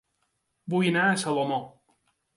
Vull anar a Salomó